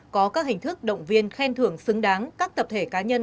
có các hình thức động viên khen thưởng xứng đáng các tập thể cá nhân